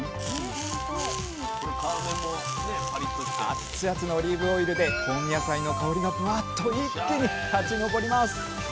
熱々のオリーブオイルで香味野菜の香りがブワッと一気に立ちのぼります